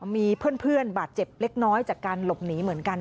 มีเพื่อนบาดเจ็บเล็กน้อยจากการหลบหนีเหมือนกัน